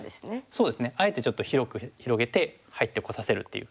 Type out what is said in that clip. そうですねあえてちょっと広く広げて入ってこさせるっていう。